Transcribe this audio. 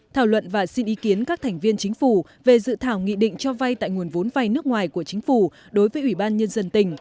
thảo luận và xin ý kiến các thành viên chính phủ về dự thảo nghị định cho vay tại nguồn vốn vay nước ngoài của chính phủ đối với ủy ban nhân dân tỉnh